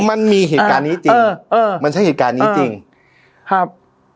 มันมีเหตุการณ์นี้จริงเออมันใช่เหตุการณ์นี้จริงครับ